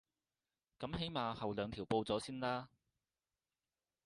噉起碼後兩條報咗先啦